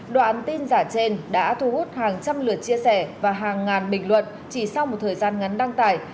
đoạn tin giả trên đã thu hút hàng trăm lượt chia sẻ và hàng ngàn bình luận chỉ sau một thời gian ngắn đăng tải